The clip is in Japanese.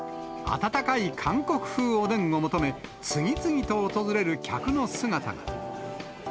温かい韓国風おでんを求め、次々と訪れる客の姿が。